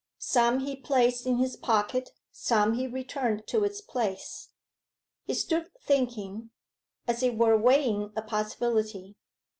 Some he placed in his pocket, some he returned to its place. He stood thinking, as it were weighing a possibility.